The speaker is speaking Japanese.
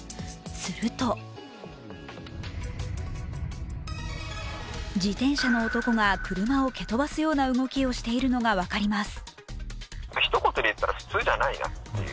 すると自転車の男が車を蹴飛ばすような動きをしているのが分かります。